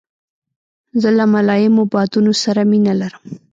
زه له ملایمو بادونو سره مینه لرم.